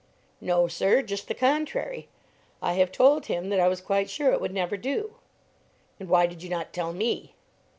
"No, sir; just the contrary. I have told him that I was quite sure it would never do." "And why did you not tell me?"